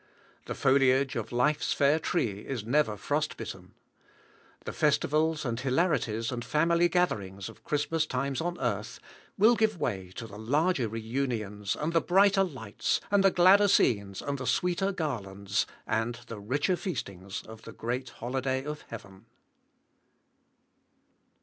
The foliage of Life's fair tree is never frost bitten. The festivals, and hilarities, and family gatherings of Christmas times on earth, will give way to the larger reunions, and the brighter lights, and the gladder scenes, and the sweeter garlands, and the richer feastings of the great holiday of Heaven.